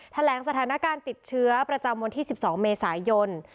แถลงสถานการณ์ติดเชื้อประจำวันที่๑๒เมษายน